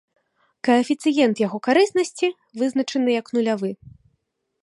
Каэфіцыент яго карыснасці вызначаны як нулявы.